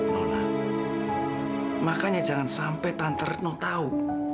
nona makanya jangan sampai tante retno tahu